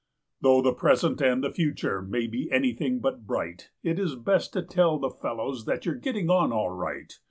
Though the present and the future may be anything but bright. It is best to tell the fellows that you're getting on all right.